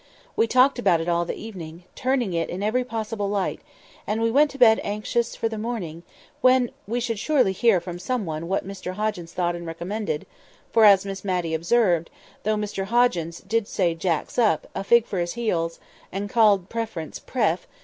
We talked about it all the evening, turning it in every possible light, and we went to bed anxious for the morning, when we should surely hear from someone what Mr Hoggins thought and recommended; for, as Miss Matty observed, though Mr Hoggins did say "Jack's up," "a fig for his heels," and called Preference "Pref."